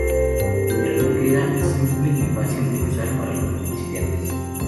Señaló que era simple y fácil de usar para los principiantes.